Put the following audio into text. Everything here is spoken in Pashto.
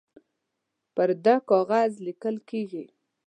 پر ده کاغذ لیکل کیږي